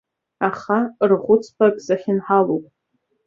Аха рахәыц-пак сахьынҳалоуп.